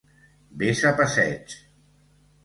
Ves a passeig!